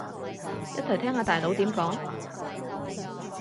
一齊聽下大佬點講